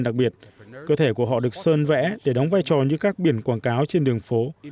năm thanh niên đặc biệt cơ thể của họ được sơn vẽ để đóng vai trò như các biển quảng cáo trên đường phố